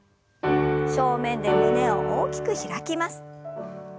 正面で胸を大きく開きます。